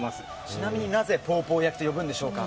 ちなみになぜポーポー焼きと呼ぶんでしょうか。